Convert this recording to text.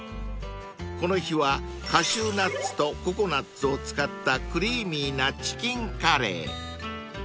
［この日はカシューナッツとココナツを使ったクリーミーなチキンカレー］